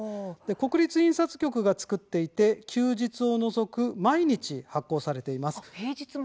国立印刷局が作っていて休日を除く毎日発行されています。